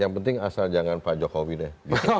yang penting asal jangan pak jokowi deh